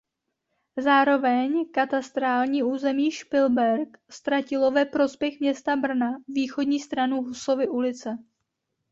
Zároveň katastrální území Špilberk ztratilo ve prospěch Města Brna východní stranu Husovy ulice.